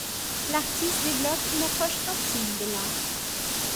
L’artiste développe une approche intime de l’art.